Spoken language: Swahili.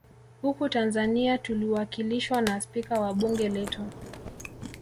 Huku Tanzania tuliwakilishwa na spika wa bunge letu